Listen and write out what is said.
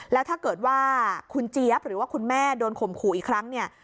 แล้วถ้าเกิดว่าคุณเจี๊ยบหรือว่าคุณแม่โดนข่มขู่อีกครั้งเนี่ย